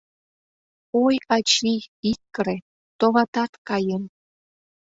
— Ой, ачий, ит кыре, — товатат, каем!..